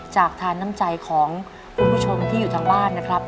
จากทานน้ำใจของคุณผู้ชมที่อยู่ทางบ้านนะครับ